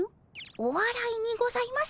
おわらいにございます